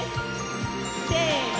せの！